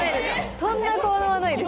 そんな効能はないです。